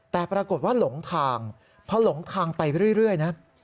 แต่ปรากฏว่าหลงทางพอหลงทางไปเรื่อยนะ